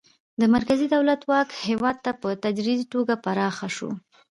د مرکزي دولت واک هیواد ته په تدریجي توګه پراخه شو.